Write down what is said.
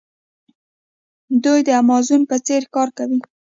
دوی د امازون په څیر کار کوي.